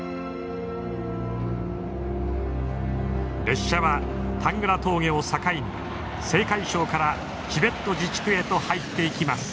列車はタングラ峠を境に青海省からチベット自治区へと入っていきます。